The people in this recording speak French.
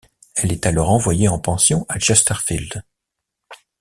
Elle est alors envoyée en pension à Chesterfield.